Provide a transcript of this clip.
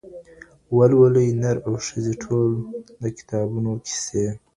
ولولئ نر او ښځي ټول د کتابونو کیسې